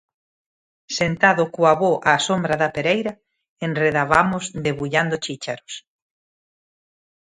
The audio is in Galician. Sentado co avó á sombra da pereira, enredabamos debullando chícharos.